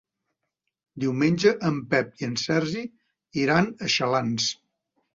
Diumenge en Pep i en Sergi iran a Xalans.